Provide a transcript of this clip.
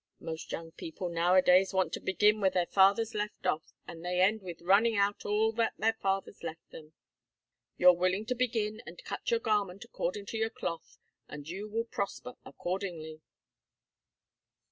Most young people nowadays want to begin where their fathers left off, and they end with running out all that their fathers left them. You're willing to begin and cut your garment according to your cloth, and you will prosper accordingly."